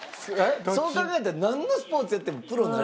そう考えたらなんのスポーツやってもプロになれたかも。